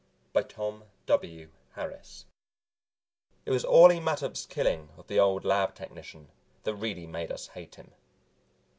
by Tom W. Harris It was Orley Mattup's killing of the old lab technician that really made us hate him.